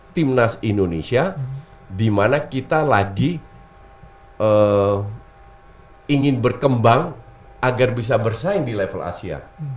timnas indonesia dimana kita lagi eh ingin berkembang agar bisa bersaing di level asia